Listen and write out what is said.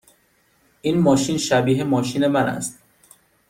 این ماشین شبیه ماشین من است.